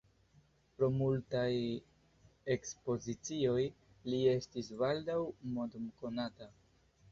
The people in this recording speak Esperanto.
Pro multaj ekspozicioj li estis baldaŭ mondkonata.